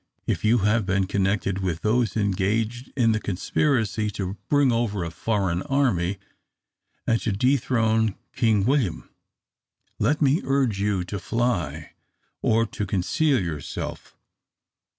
If you have been connected with those engaged in the conspiracy to bring over a foreign army, and to dethrone King William, let me urge you to fly or to conceal yourself.